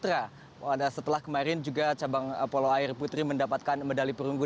setelah kemarin juga cabang pulau air putri mendapatkan medali perunggu dan cabang olahraga pulau putra mendapatkan medali perunggu